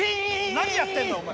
何やってんだよお前。